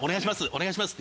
お願いします」